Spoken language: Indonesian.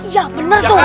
iya benar tuh